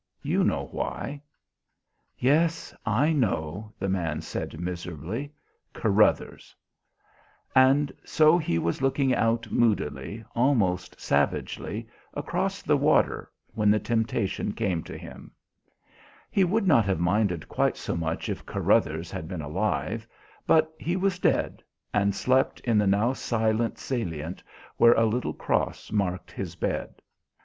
You know why." "Yes, I know," the man said miserably. "Carruthers." And so he was looking out moodily, almost savagely, across the water when the temptation came to him. He would not have minded quite so much if Carruthers had been alive, but he was dead and slept in the now silent Salient where a little cross marked his bed.